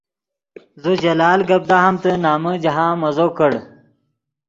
زو جلال گپ دہامتے نمن جاہند مزو کڑ